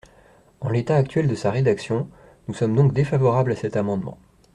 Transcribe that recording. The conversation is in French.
En l’état actuel de sa rédaction, nous sommes donc défavorables à cet amendement.